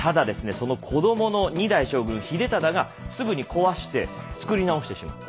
その子供の２代将軍秀忠がすぐに壊して造り直してしまった。